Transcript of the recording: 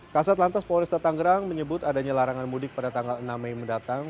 kasat lantas polis datang gerang menyebut adanya larangan mudik pada tanggal enam mei mendatang